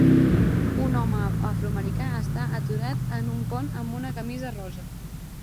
Un home afroamericà està aturat en un pont amb una camisa rosa.